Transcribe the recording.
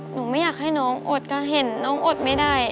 ไม่อยากให้น้องอดก็เห็นน้องอดไม่ได้